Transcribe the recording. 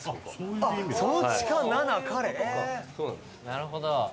なるほど！